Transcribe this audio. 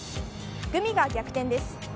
グミが逆転です。